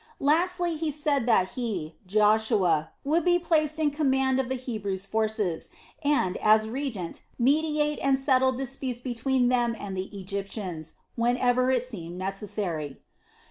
Lastly he said that he, Joshua, would be placed in command of the Hebrew forces and, as regent, mediate and settle disputes between them and the Egyptians whenever it seemed necessary.